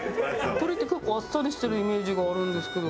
鶏って結構あっさりしてるイメージがあるんですけど。